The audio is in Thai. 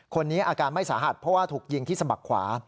คนนี้อาการไม่สาหัสเพราะว่าถูกยิงที่สมัครขวา